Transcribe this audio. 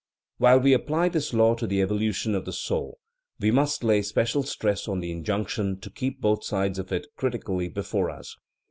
While we apply this law to the evolution of the soul, we must lay special stress on the injunction to keep both sides of it critically before us.